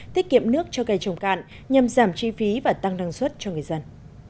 tiết kiệm nước cho cây trồng cạn nhằm giảm chi phí và tăng năng suất cho người dân